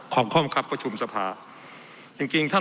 ของความครับประชุมสภา